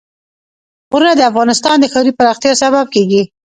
غرونه د افغانستان د ښاري پراختیا سبب کېږي.